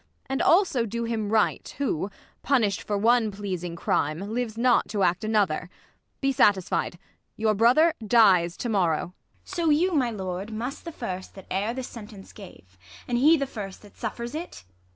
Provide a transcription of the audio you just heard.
And also do him right, who, punLsht for One pleasing crime, lives not to act another. Be satisfied ; yom brother dies to monx)w. Is.VB. So you, my lord, must te the first that e'er This sentence gave, and he the fii«t that suffers it.